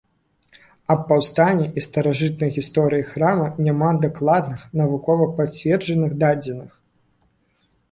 Аб паўстанні і старажытнай гісторыі храма няма дакладных, навукова пацверджаных дадзеных.